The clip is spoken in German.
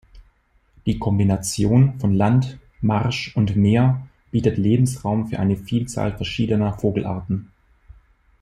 Die Kombination von Land, Marsch und Meer bietet Lebensraum für eine Vielzahl verschiedener Vogelarten.